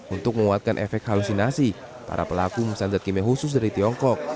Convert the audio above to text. untuk menguatkan efek halusinasi para pelaku memesan zat kimia khusus dari tiongkok